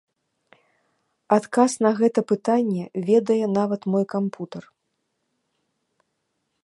Адказ на гэта пытанне ведае нават мой кампутар.